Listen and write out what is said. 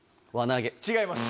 違います！